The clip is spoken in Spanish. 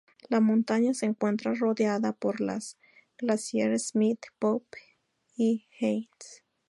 La montaña se encuentra rodeada por los glaciares Smith, Pope y Haynes.